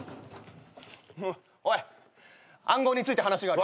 おい暗号について話がある。